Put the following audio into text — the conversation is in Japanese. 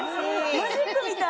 マジックみたい。